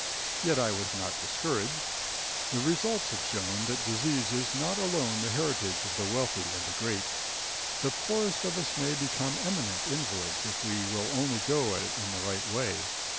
Yet I was not discouraged. The results have shown that disease is not alone the heritage of the wealthy and the great. The poorest of us may become eminent invalids if we will only go at it in the right way.